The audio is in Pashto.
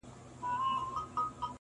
په نخرو په مکیزو سو مخ او شاته٫